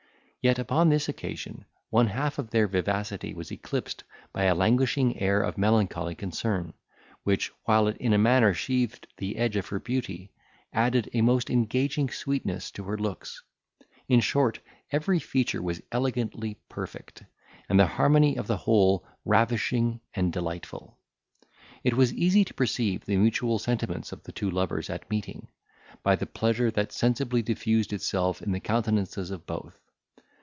Yet, upon this occasion, one half of their vivacity was eclipsed by a languishing air of melancholy concern; which, while it in a manner sheathed the edge of her beauty, added a most engaging sweetness to her looks. In short, every feature was elegantly perfect; and the harmony of the whole ravishing and delightful. It was easy to perceive the mutual sentiments of the two lovers at meeting, by the pleasure that sensibly diffused itself in the countenances of both.